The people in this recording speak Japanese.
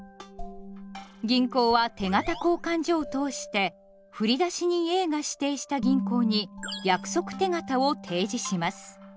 銀行は手形交換所を通して振出人Ａが指定した銀行に約束手形を呈示します。